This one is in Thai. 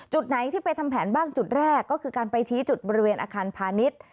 จุดไหนที่ไปทำแผนบ้างจุดแรกก็คือการไปชี้จุดบริเวณอาคารพาณิชย์